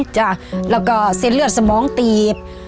จ้ะแล้วก็เส้นเลือดสมองตีบ